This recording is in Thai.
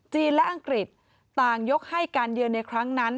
และอังกฤษต่างยกให้การเยือนในครั้งนั้น